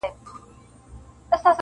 هسي نه چي په شرابو اموخته سم,